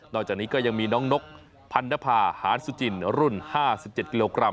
จากนี้ก็ยังมีน้องนกพันนภาหารสุจินรุ่น๕๗กิโลกรัม